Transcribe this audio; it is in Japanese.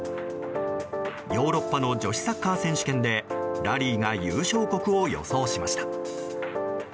ヨーロッパの女子サッカー選手権でラリーが優勝国を予想しました。